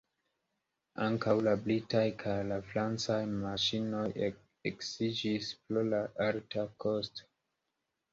Ankaŭ la britaj kaj la francaj maŝinoj eksiĝis pro la alta kosto.